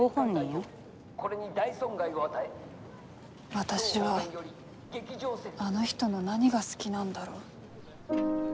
私はあの人の何が好きなんだろう。